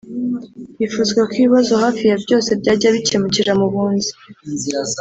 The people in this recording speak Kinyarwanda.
Hifuzwa ko ibibazo hafi ya byose byajya bikemukira mu bunzi